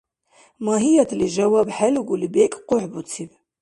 Магьиятли, жаваб хӀелугули, бекӀ къухӀбуциб.